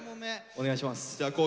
お願いします。